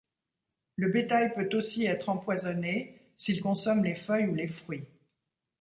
Le bétail peut aussi être empoisonné s'il consomme les feuilles ou les fruits.